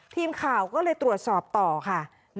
ทีมข่าวก็เลยตรวจสอบต่อค่ะ